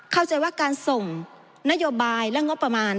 เข้าใจว่าการส่งนโยบายและงบประมาณ